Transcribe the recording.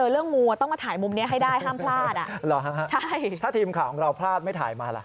เราพลาดไม่ถ่ายมาล่ะ